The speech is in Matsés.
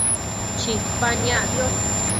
Chipa niacbiosh